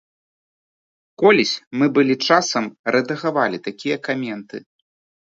Колісь мы былі часам рэдагавалі такія каменты.